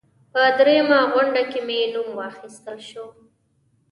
په دوهمه غونډه کې مې نوم واخیستل شو.